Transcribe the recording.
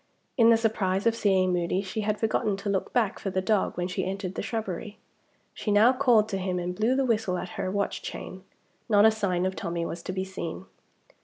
In the surprise of seeing Moody she had forgotten to look back for the dog when she entered the shrubbery. She now called to him, and blew the whistle at her watch chain. Not a sign of Tommie was to be seen.